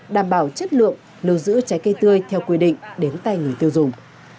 đảm bảo chất lượng lưu giữ trái cây tươi theo quy định đến tay người tiêu dùng